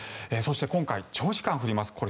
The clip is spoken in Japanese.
そして今回、長時間降ります。